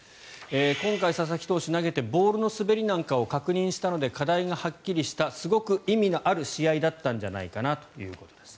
今回、佐々木投手が投げてボールの滑りなんかを確認したので課題がはっきりしたすごく意味のある試合だったんじゃないかなということです。